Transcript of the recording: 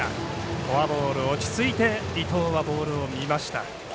フォアボール、落ち着いて伊藤はボールを見ました。